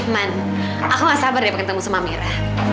man aku gak sabar deh bertemu sama mira